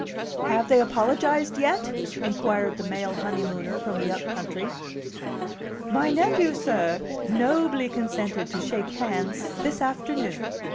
"Have they apologized yet?" inquired the male honeymooner from the up country. "My nephew, sir, nobly consented to shake hands this afternoon.